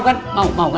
nggak mau dia